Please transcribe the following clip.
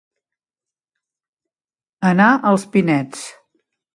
Anar als pinets.